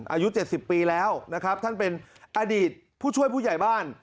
อายุ๗๐ปีแล้วนะครับท่านเป็นอดีตผู้ช่วยผู้ใหญ่บ้าน